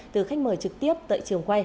từ khách mời trực tiếp tại trường quay